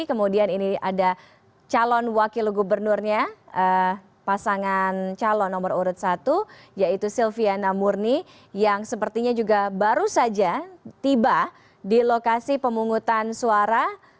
kemudian ini ada calon wakil gubernurnya pasangan calon nomor urut satu yaitu silviana murni yang sepertinya juga baru saja tiba di lokasi pemungutan suara